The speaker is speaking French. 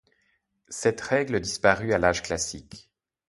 Cette règle disparut à l'âge classique.